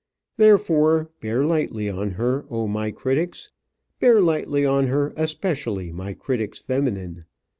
Therefore, bear lightly on her, oh my critics! Bear lightly on her especially, my critics feminine.